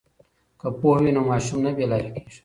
که پوهه وي نو ماشوم نه بې لارې کیږي.